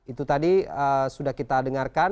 itu tadi sudah kita dengarkan